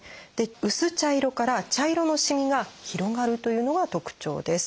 薄茶色から茶色のしみが広がるというのが特徴です。